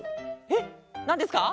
えっなんですか？